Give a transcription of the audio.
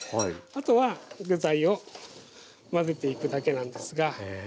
あとは具材を混ぜていくだけなんですが。